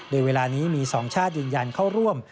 โดยเวลานี้มี๒ชาติยืนยันเข้าร่วม